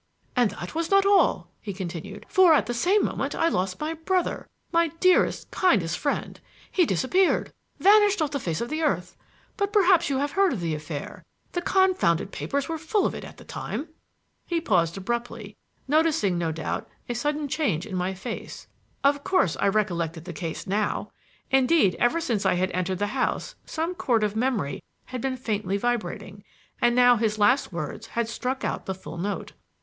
"And that was not all," he continued; "for at the same moment I lost my brother, my dearest, kindest friend. He disappeared vanished off the face of the earth; but perhaps you have heard of the affair. The confounded papers were full of it at the time." He paused abruptly, noticing, no doubt, a sudden change in my face. Of course I recollected the case now. Indeed, ever since I had entered the house some chord of memory had been faintly vibrating, and now his last words had struck out the full note.